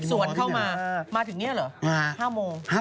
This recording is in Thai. สวนเข้ามามาถึงเนี่ยเหรอ